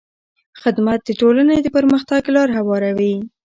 خدمت د ټولنې د پرمختګ لاره هواروي.